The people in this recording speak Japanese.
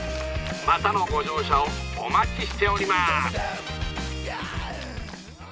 またのご乗車をお待ちしております」。